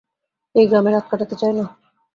এই গ্রামে রাত কাটাতে চাই না।